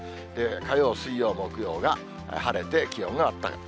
火曜、水曜、木曜が晴れて気温があったかい。